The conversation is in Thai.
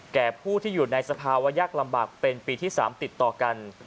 แก่ผู้ที่อยู่ในสภาวะยากลำบากเป็นปีที่๓ติดต่อกัน